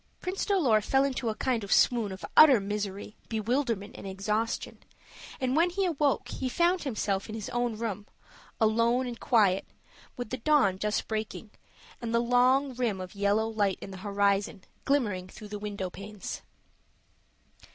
Prince Dolor fell into a kind of swoon of utter misery, bewilderment, and exhaustion, and when he awoke he found himself in his own room alone and quiet with the dawn just breaking, and the long rim of yellow light in the horizon glimmering through the window panes.